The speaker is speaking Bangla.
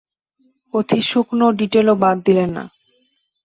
অতি সূক্ষ্ম ডিটেলও বাদ দিলেন না।